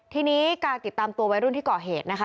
ทีนี้การติดตามตัววัยรุ่นที่ก่อเหตุนะคะ